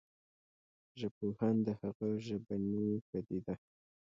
ژبپوهان د هغه ژبنې پديده